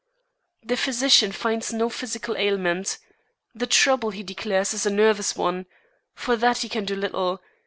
The physician finds no physical ailment. The trouble, he declares, is a nervous one. For that he can do little.